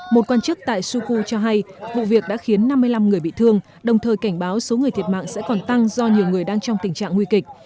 một quan chức tại sukhu cho hay vụ việc đã khiến năm mươi năm người bị thương đồng thời cảnh báo số người thiệt mạng sẽ còn tăng do nhiều người đang trong tình trạng nguy kịch